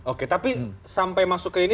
oke tapi sampai masuk ke ini